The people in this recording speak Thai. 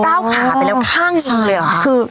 ก้าวขาไปแล้วข้างหนึ่งเลยเหรอ